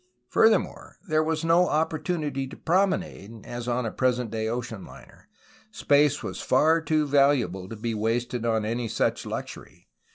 Further more, there was no opportunity to promenade, as on a present day ocean liner. Space was far too valuable to be wasted on any such luxury.